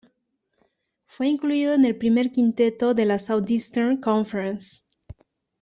Fue incluido en el primer quinteto de la Southeastern Conference.